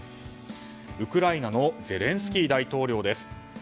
ウクライナのゼレンスキー大統領です。